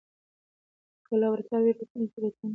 که لابراتوار واي، راتلونکې تېروتنه نه کېده.